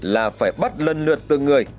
là phải bắt lân lượt từng người